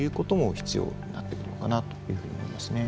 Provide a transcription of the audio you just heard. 必要になってくるのかなというふうに思いますね。